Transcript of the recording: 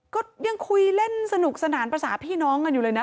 ก็ยังคุยเล่นสนุกสนานภาษาพี่น้องกันอยู่เลยนะ